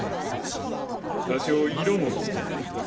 多少色も付けよう。